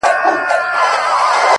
داده ميني ښار وچاته څه وركوي ـ